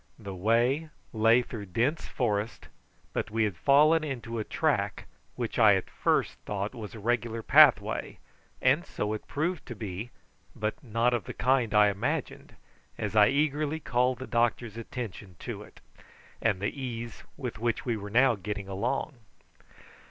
The way lay through dense forest, but we had fallen into a track which I at first thought was a regular pathway, and so it proved to be, but not of the kind I imagined as I eagerly called the doctor's attention to it, and the ease with which we were now getting along.